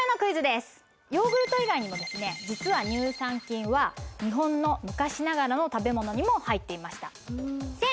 ヨーグルト以外にも実は乳酸菌は日本の昔ながらの食べ物にも入っていました。